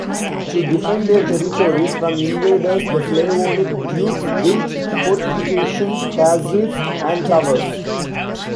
To defend their territories from invaders the Slavonic dukes built fortification castles and towers.